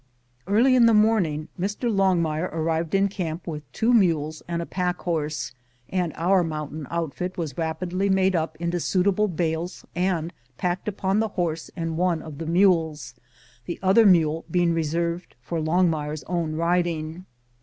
Early in the morning Mr. Longmire arrived in camp with two mules and a pack horse, and our mountain outfit was rapidly made up into suitable bales and packed upon the horse and one of the mules, the other mule being reserved for Longmire's own riding.